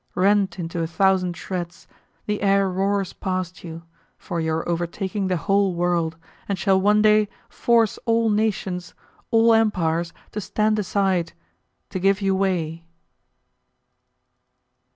Rent into a thousand shreds, the air roars past you, for you are overtaking the whole world, and shall one day force all nations, all empires to stand aside, to give you way!